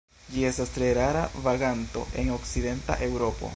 Ĝi estas tre rara vaganto en okcidenta Eŭropo.